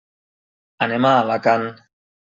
Anem a Alacant.